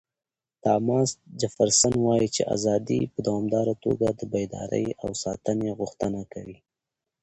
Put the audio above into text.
تاماس جفرسن وایي چې ازادي په دوامداره توګه د بیدارۍ او ساتنې غوښتنه کوي.